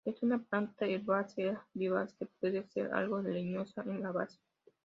Es una planta herbácea, vivaz, que puede ser algo leñosa en la base.